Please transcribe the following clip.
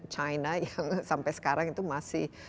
china yang sampai sekarang itu masih